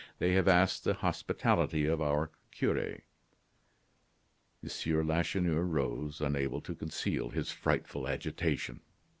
They have asked the hospitality of our cure." M. Lacheneur rose, unable to conceal his frightful agitation.